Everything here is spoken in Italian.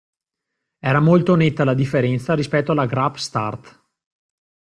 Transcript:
Era molto netta la differenza rispetto alla grap start.